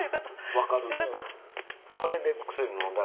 分かる。